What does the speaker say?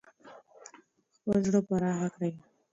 خپل زړه پراخ کړئ.